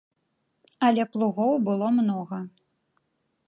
Але плугоў было многа.